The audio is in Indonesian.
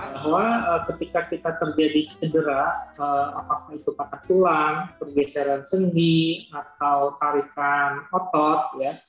bahwa ketika kita terjadi cedera apakah itu patah tulang pergeseran sendi atau tarikan otot ya